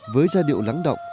với gia điệu lắng động